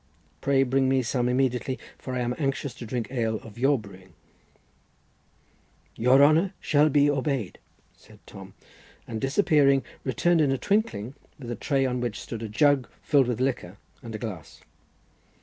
Pray bring me some immediately, for I am anxious to drink ale of your brewing." "Your honour shall be obeyed," said Tom, and disappearing, returned in a twinkling with a tray, on which stood a jug filled with liquor, and a glass.